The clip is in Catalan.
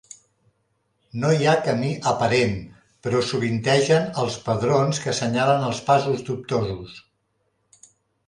No hi ha camí aparent, però sovintegen els pedrons que senyalen els passos dubtosos.